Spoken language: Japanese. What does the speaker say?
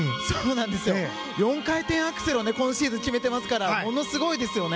４回転アクセルを今シーズン決めていますからものすごいですよね。